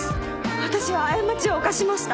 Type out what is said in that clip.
私は過ちを犯しました。